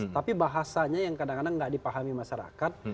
tapi bahasanya yang kadang kadang tidak dipahami masyarakat